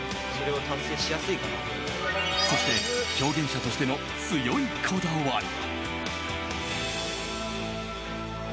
そして、表現者としての強いこだわり。